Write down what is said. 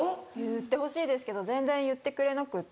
言ってほしいですけど全然言ってくれなくって。